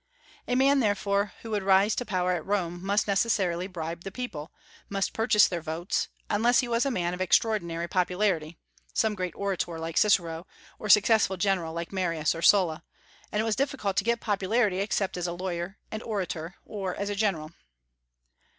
A man, therefore, who would rise to power at Rome must necessarily bribe the people, must purchase their votes, unless he was a man of extraordinary popularity, some great orator like Cicero, or successful general like Marius or Sulla; and it was difficult to get popularity except as a lawyer and orator, or as a general.